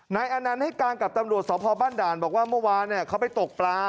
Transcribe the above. นายอนันต์ให้การกับตำรวจสพบ้านด่านบอกว่าเมื่อวานเขาไปตกปลา